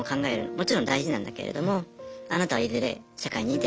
もちろん大事なんだけれどもあなたはいずれ社会に出ると。